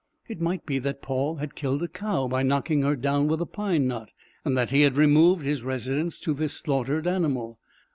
It might be that Paul had killed a cow by knocking her down with a pine knot, and that he had removed his residence to this slaughtered animal.